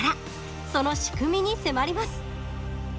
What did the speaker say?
その仕組みに迫ります。